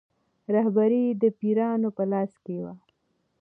رهبري یې د پیرانو په لاس کې وه.